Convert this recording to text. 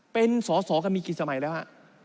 เป็นสอสอกันมีกี่สมัยแล้วฮะ